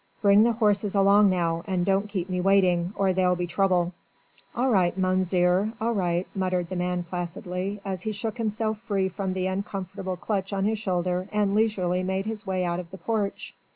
"Bring the horses along now, and don't keep me waiting, or there'll be trouble." "All right, Mounzeer, all right," muttered the man placidly, as he shook himself free from the uncomfortable clutch on his shoulder and leisurely made his way out of the porch.